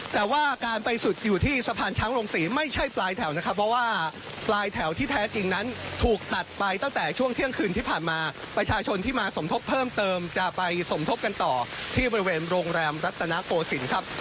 แต่ว่าการไปสุดอยู่ที่สะพานช้างโรงศรีไม่ใช่ปลายแถวนะครับเพราะว่าปลายแถวที่แท้จริงนั้นถูกตัดไปตั้งแต่ช่วงเที่ยงคืนที่ผ่านมาประชาชนที่มาสมทบเพิ่มเติมจะไปสมทบกันต่อที่บริเวณโรงแรมรัตนโกศิลป์ครับ